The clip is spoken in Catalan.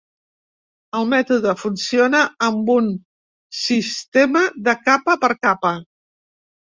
El mètode funciona amb un sistema de capa per capa.